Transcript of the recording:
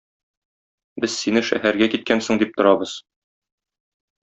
Без сине шәһәргә киткәнсең дип торабыз.